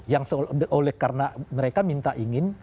yang oleh karena mereka minta ingin